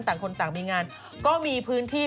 ต่างคนต่างมีงานก็มีพื้นที่